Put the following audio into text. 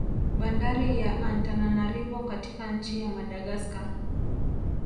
Bandari ya Antananarivo katika nchi ya Madagascar